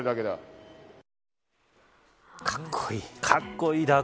かっこいい。